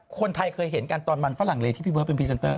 คนไทยเคยเห็นกันตอนมันฝรั่งเลที่พี่เบิร์เป็นพรีเซนเตอร์